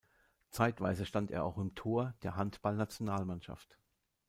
Zeitweise stand er auch im Tor der Handball-Nationalmannschaft.